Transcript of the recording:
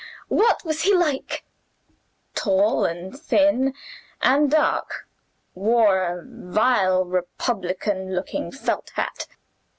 what was he like?" "Tall, and thin, and dark. Wore a vile republican looking felt hat.